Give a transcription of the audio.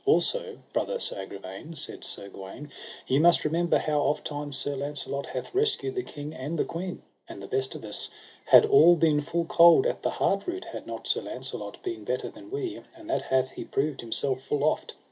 Also, brother Sir Agravaine, said Sir Gawaine, ye must remember how ofttimes Sir Launcelot hath rescued the king and the queen; and the best of us all had been full cold at the heart root had not Sir Launcelot been better than we, and that hath he proved himself full oft.